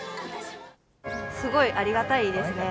すごいありがたいですね。